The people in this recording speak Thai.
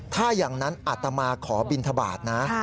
ถ้าอย่างนั้นอัตมาขอบินทบาทนะ